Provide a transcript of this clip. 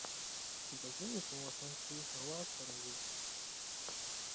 د ژمي په موسم کي هوا سړه وي